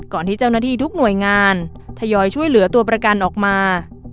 ที่เจ้าหน้าที่ทุกหน่วยงานทยอยช่วยเหลือตัวประกันออกมา